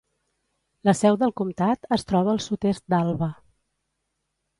La seu del comtat es troba al sud-est d'Alva.